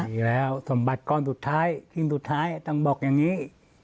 ไม่มีแล้วสมบัติกรรมสุดท้ายสิ่งสุดท้ายต้องบอกอย่างนี้